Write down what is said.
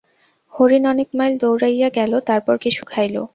হরিণ অনেক মাইল দৌড়াইয়া গেল, তারপর কিছু খাইল।